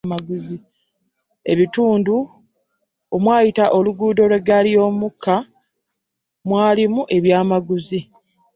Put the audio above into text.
Ebitundu omwayita oluguudo lw'eggaali y'omukka mwalimu ebyamaguzi.